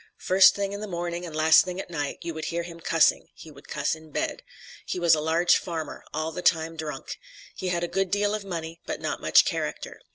First thing in the morning and last thing at night, you would hear him cussing he would cuss in bed. He was a large farmer, all the time drunk. He had a good deal of money but not much character.